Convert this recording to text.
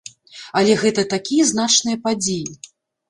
Але гэта такія значныя падзеі.